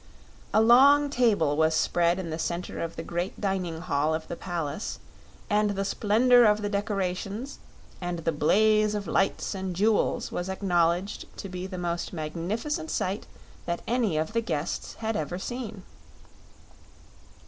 A long table was spread in the center of the great dining hall of the palace and the splendor of the decorations and the blaze of lights and jewels was acknowledged to be the most magnificent sight that any of the guests had ever seen.